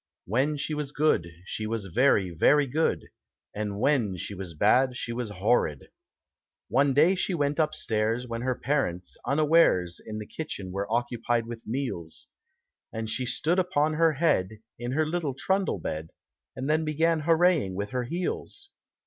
When she was good She was very, very good, And when she was bad she was horrid. die day she went upstairs, When her parents, unawares. In the kitchen were occupied with meals, And she stood upon her head In her little trundle bed. And then began hooraying with her heels.